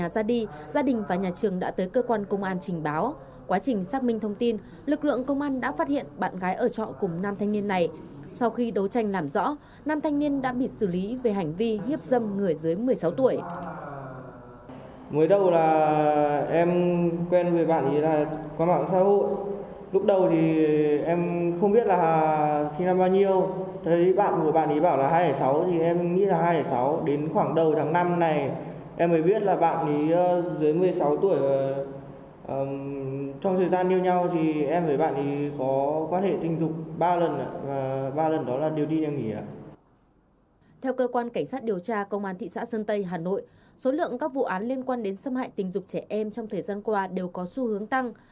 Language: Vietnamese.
theo cơ quan cảnh sát điều tra công an thị xã sơn tây hà nội số lượng các vụ án liên quan đến xâm hại tình dục trẻ em trong thời gian qua đều có xu hướng tăng